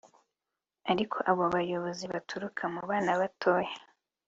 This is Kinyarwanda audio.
ariko abo bayobozi baturuka mu bana batoya